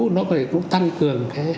nó cũng tăng cường